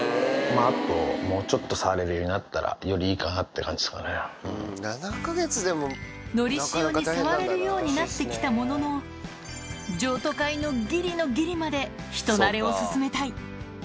あともうちょっと触れるようになったら、よりいいかなって感じでのりしおに触れるようになってきたものの、譲渡会のぎりのぎりまで、人なれを進めたい。